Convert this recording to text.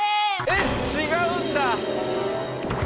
えっ⁉違うんだ。